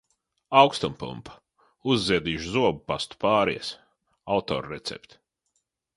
Aukstumpumpa, uzziedīšu zobupastu, pāries. Autorrecepte.